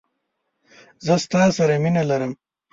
زه ستا سره مینه لرم